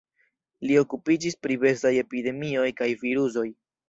Li okupiĝis pri bestaj epidemioj kaj virusoj.